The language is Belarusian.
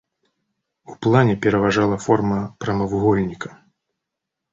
У плане пераважала форма прамавугольніка.